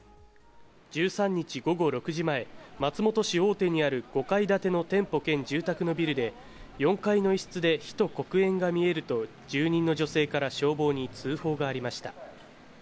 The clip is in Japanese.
１３日午後６時前松本市大手にある５階建ての店舗兼住宅のビルで４階の居室で人と黒煙が見えると住人の女性から消防に通報がありました。